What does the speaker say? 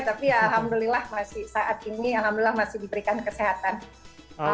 tapi ya alhamdulillah masih saat ini alhamdulillah masih diberikan kesehatan